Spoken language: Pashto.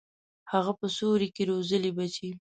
هغه په سیوري کي روزلي بچي